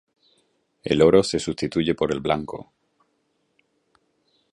El oro se sustituye por el blanco.